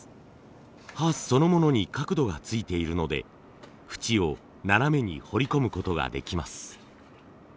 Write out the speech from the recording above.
刃そのものに角度がついているので縁を斜めに彫り込むことができます。